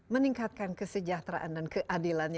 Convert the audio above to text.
meningkatkan kesejahteraan dan keadilan